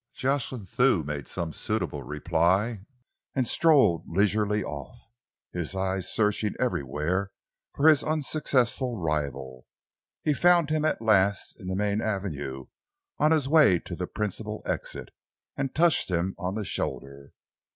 Jocelyn Thew made some suitable reply and strolled leisurely off, his eyes searching everywhere for his unsuccessful rival. He found him at last in the main avenue, on his way to the principal exit, and touched him on the shoulder.